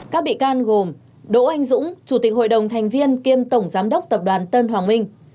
các bị can gồm đỗ anh dũng chủ tịch hội đồng thành viên kiêm tổng giám đốc tập đoàn tân hoàng minh